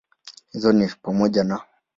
Hizi ni pamoja na